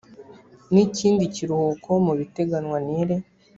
n ikindi kiruhuko mu biteganywa n iri